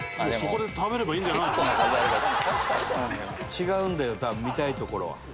「違うんだよ多分見たいところは」